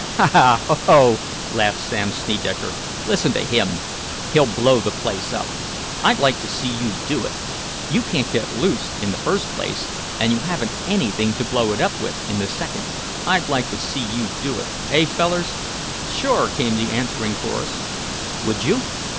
"Ha! Ha! Ho! Ho!" laughed Sam Snedecker. "Listen to him! He'll blow the place up! I'd like to see you do it! You can't get loose in the first place, and you haven't anything to blow it up with in the second. I'd like to see you do it; hey, fellers?" "Sure," came the answering chorus. "Would you?"